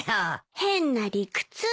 変な理屈。